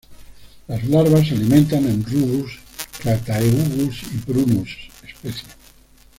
Las larvas se alimentan en "Rubus", "Crataegus" y "Prunus" especie.